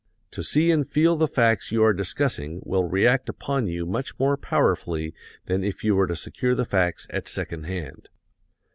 To see and feel the facts you are discussing will react upon you much more powerfully than if you were to secure the facts at second hand.